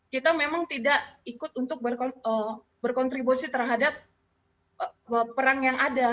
kita memang tidak ikut untuk berkontribusi terhadap perang yang ada